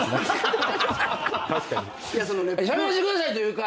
しゃべらせてくださいというか。